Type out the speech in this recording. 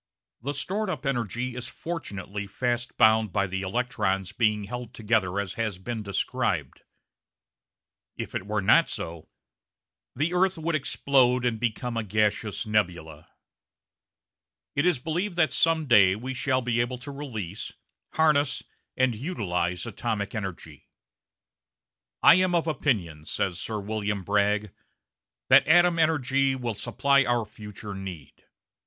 The stored up energy is fortunately fast bound by the electrons being held together as has been described. If it were not so "the earth would explode and become a gaseous nebula"! It is believed that some day we shall be able to release, harness, and utilise atomic energy. "I am of opinion," says Sir William Bragg, "that atom energy will supply our future need.